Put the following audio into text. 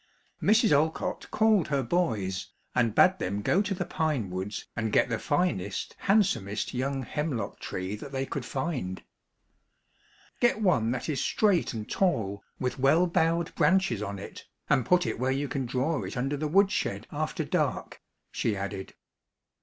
(ANONYMOUS.) Mrs. Olcott called her boys, and bade them go to the pine woods and get the finest, handsomest young hemlock tree that they could find. "Get one that is straight and tall, with well boughed branches on it, and put it where you can draw it under the wood shed after dark," she added.